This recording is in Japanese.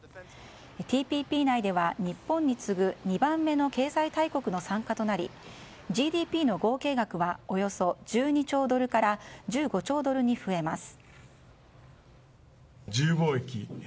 ＴＰＰ内では日本に次ぐ２番目の経済大国の参加となり、ＧＤＰの合計額はおよそ１２兆ドルから１５兆ドルに増えます。